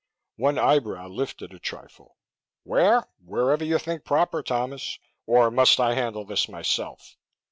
One eyebrow lifted a trifle. "Where? Wherever you think proper, Thomas. Or must I handle this myself?"